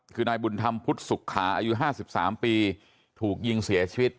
คือนายบุญธรรมพุทธศุกขาอายุห้าสิบสามปีถูกยิงเสียชีวิต